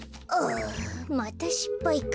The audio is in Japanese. あまたしっぱいか。